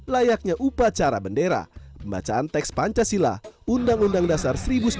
layaknya upacara bendera pembacaan teks pancasila undang undang dasar seribu sembilan ratus empat puluh lima dan proklamasi juga dilaksanakan